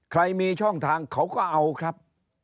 ใครมีช่องทางเขาก็เอาครับ